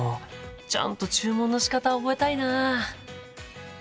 ちゃんと注文のしかた覚えたいな。